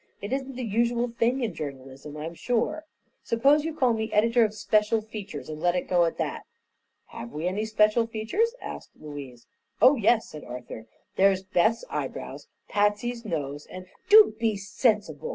"It isn't the usual thing in journalism, I'm sure. Suppose you call me Editor of Special Features, and let it go at that?" "Have we any special features?" asked Louise. "Oh, yes," said Arthur; "there's Beth's eyebrows, Patsy's nose, and " "Do be sensible!"